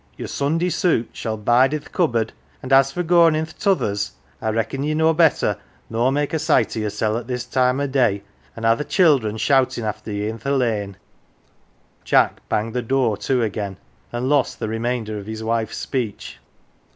Your Sunday suit shall bide i' th' cupboard, an' as for goin' i' th' t'others, I reckon ye know better nor make a sight o' yoursel' at this time o' day, an' ha' th' children shoutin' after ye i* th' lane " Jack banged the door to again, and lost the remain der of his wife's speech.